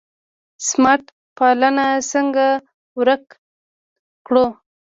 سمت پالنه څنګه ورک کړو؟